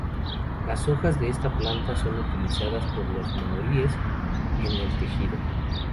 Las hojas de esta planta son utilizadas por los maoríes en el tejido.